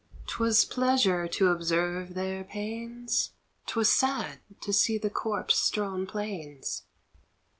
'Twas pleasure to observe their pains 'Twas sad to see the corpse strewn plains.